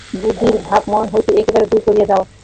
বৃদ্ধির ভাব মন হইতে একেবারে দূর করিয়া দাও।